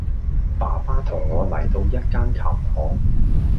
爸爸同我嚟到一間琴行